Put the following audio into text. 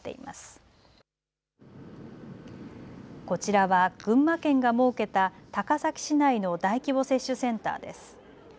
こちらは群馬県が設けた高崎市内の大規模接種センターです。